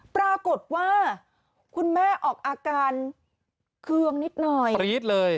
ปรากฏว่าคุณแม่ออกอาการเครื่องนิดหน่อย